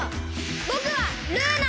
ぼくはルーナ！